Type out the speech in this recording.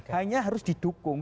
hanya harus didukung